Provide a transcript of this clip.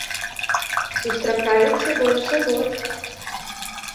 Сустракаюцца больш за год.